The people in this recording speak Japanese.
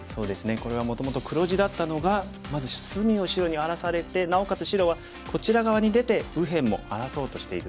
これはもともと黒地だったのがまず隅を白に荒らされてなおかつ白はこちら側に出て右辺も荒らそうとしている局面ですね。